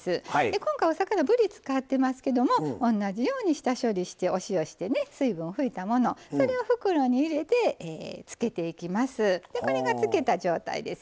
今回お魚はぶりを使ってますけど同じように下処理をしてお塩して水分を拭いたものを袋に入れて漬けていきます。